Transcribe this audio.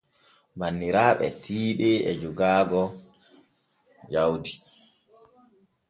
Banniraaɓe tiiɗe e jogaaga jaudi.